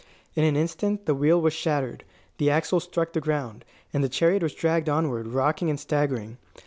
In an instant the wheel was shattered. The axle struck the ground, and the chariot was dragged onward, rocking and staggering.